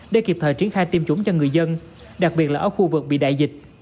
để kịp thời triển khai tiêm chủng cho người dân đặc biệt là ở khu vực bị đại dịch